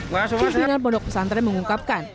pembingungan pondok pesantren mengungkapkan